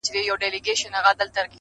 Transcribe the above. ښه خلک احترام لري.